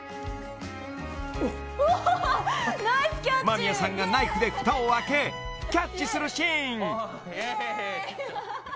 ［間宮さんがナイフでふたを開けキャッチするシーン］イェイ。